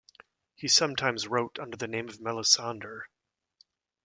He sometimes wrote under the name of Melissander.